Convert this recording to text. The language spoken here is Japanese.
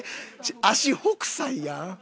足北斎やん。